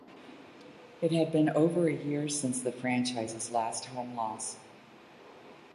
It had been over a year since the franchise's last home loss.